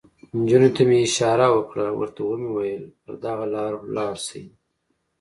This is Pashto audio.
نجونو ته مې اشاره وکړه، ورته مې وویل: پر دغه لار ولاړ شئ.